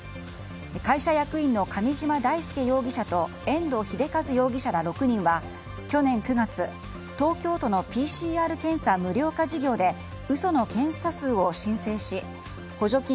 会社役員の上嶋大輔容疑者と遠藤英和容疑者ら６人は去年９月、東京都のＰＣＲ検査無料化事業で嘘の検査数を申請し補助金